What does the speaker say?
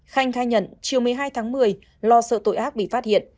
khanh khai nhận chiều một mươi hai tháng một mươi lo sợ tội ác bị phát hiện